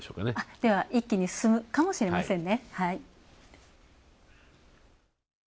では、一気に進むかもしれませんね。